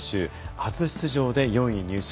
初出場で４位入賞。